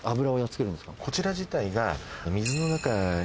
こちら自体が。